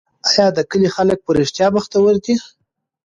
آیا د کلي خلک په رښتیا بختور دي؟